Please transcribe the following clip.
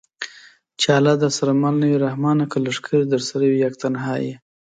چې الله درسره مل نه وي رحمانه! که لښکرې درسره وي یک تنها یې